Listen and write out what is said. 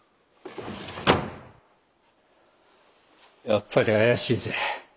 やっぱり怪しいぜ。